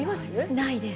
ないです。